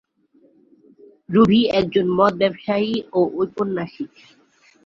Rudi একজন মদ ব্যবসায়ী ও ঔপন্যাসিক।